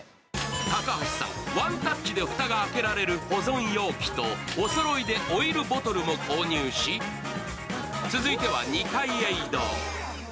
高橋さん、ワンタッチで蓋が開けられる保存容器とおそろいでオイルボトルも購入し、続いては２階へ移動。